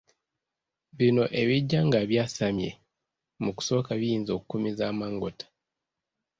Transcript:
Bino ebijja nga byasamye, mu kusooka biyinza okukumiza amangota.